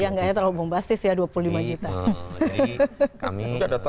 jadi anggarnya terlalu membastis ya dua puluh lima juta